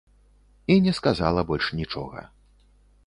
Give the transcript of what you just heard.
І не сказала больш нічога.